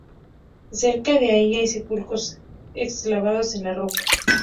Cerca de allí hay sepulcros excavados en la roca.